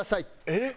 えっ？